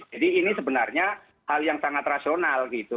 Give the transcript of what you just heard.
jadi ini sebenarnya hal yang sangat rasional gitu